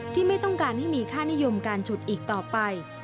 ไม่ต้องการให้มีค่านิยมการฉุดอีกต่อไป